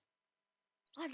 あれ？